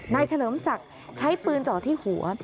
เฉลิมศักดิ์ใช้ปืนจ่อที่หัว